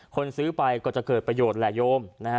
คนซื้อไปก็จะเกิดประโยชน์แหละโยม